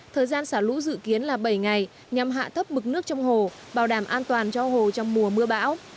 thời gian xả lũ dự kiến là bảy ngày nhằm hạ thấp mực nước trong hồ bảo đảm an toàn cho hồ trong mùa mưa bão